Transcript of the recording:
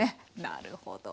なるほど。